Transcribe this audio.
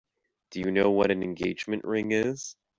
Do you know what an engagement ring is?